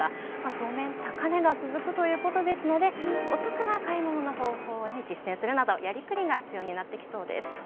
当面、高値が続くということですのでお得な買い物の方法を実践するなどやりくりが必要になってきそうです。